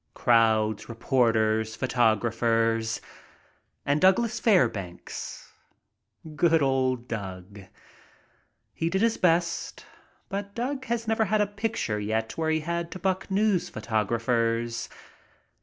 Crowds. Reporters. Photographers. And Douglas Fair banks. Good old Doug. He did his best, but Doug has never had a picture yet where he had to buck news pho tographers.